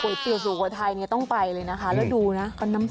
บานเมืองสุโขไทยค่ะในจังหวัดสุโขไทย